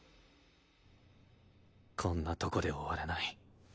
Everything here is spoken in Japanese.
こんなとこで終われない。